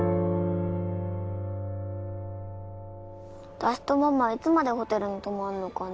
私とママいつまでホテルに泊まんのかな？